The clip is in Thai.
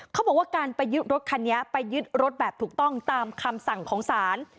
เขาบอกว่าการไปยึดรถคันนี้ไปยึดรถแบบถูกต้องตามคำสั่งของศาล